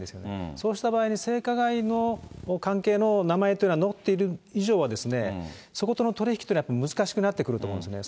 そうした場合に、性加害の関係の名前というのは、載っている以上は、そことの取り引きっていうのはやっぱり難しくなってくると思うんですね。